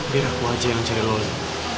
biar aku aja yang cari loyal